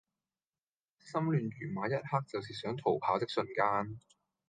心亂如麻一刻就是想逃跑的瞬間